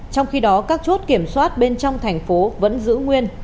trong khi đó các chốt kiểm soát bên trong thành phố vẫn giữ nguyên